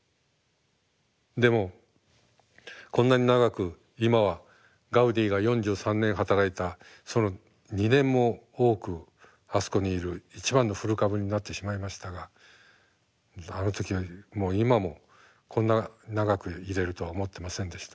でもこんなに長く今はガウディが４３年働いたその２年も多くあそこにいる一番の古株になってしまいましたがあの時もう今もこんな長くいれるとは思ってませんでした。